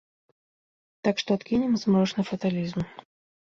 Так што адкінем змрочны фаталізм.